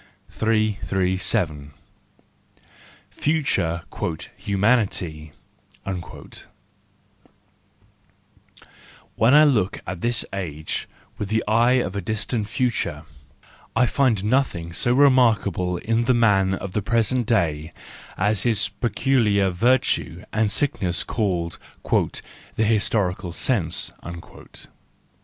337 . Future " Humanity ."—When I look at this age with the eye of a distant future, I find nothing so remarkable in the man of the present day as his peculiar virtue and sickness called " the historical sense."